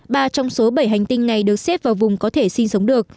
ba trong số bảy hành tinh này được xếp vào vùng có thể sinh sống được